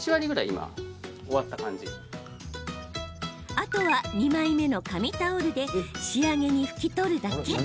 あとは２枚目の紙タオルで仕上げに拭き取るだけ。